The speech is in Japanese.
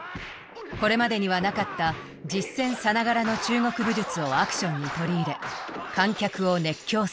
これまでにはなかった実戦さながらの中国武術をアクションに取り入れ観客を熱狂させた。